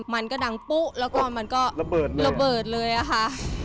มันก็ดังปุ๊บแล้วก็มันก็ระเบิดเลยอ่ะคะ